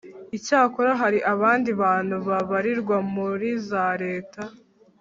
Icyakora hari abandi bantu babarirwa muri za leta